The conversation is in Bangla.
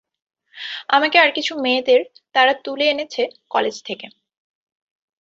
আমাকে আর কিছু মেয়েদের তারা তুলে এনেছে, কলেজ থেকে।